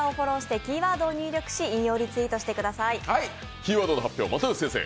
キーワードの発表、又吉先生